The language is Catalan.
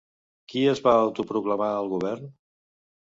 Qui es va autoproclamar al govern?